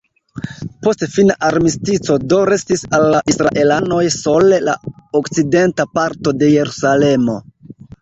Post fina armistico do restis al la israelanoj sole la okcidenta parto de Jerusalemo.